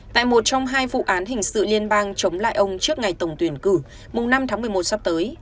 tại một trong hai vụ án hình sự liên bang chống lại ông trước ngày tổng tuyển cử mùng năm tháng một mươi một sắp tới